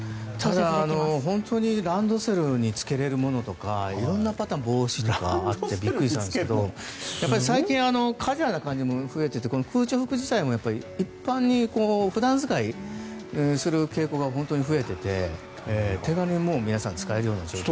ただ本当にランドセルにつけれるものとか色んなパターン帽子とかあって驚いたんですが最近、カジュアルな感じも増えてて空調服自体も一般に普段使いする傾向が本当に増えていて手軽に皆さん使えるような状況に。